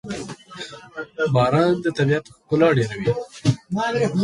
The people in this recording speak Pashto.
باران د طبیعت ښکلا ډېروي.